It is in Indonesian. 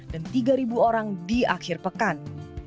dan tiga orang di akhir pekan